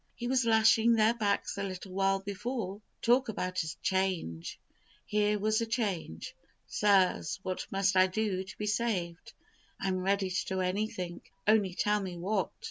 He was lashing their backs a little while before! Talk about a change here was a change. "Sirs, what must I do to be saved? I am ready to do anything, only tell me what."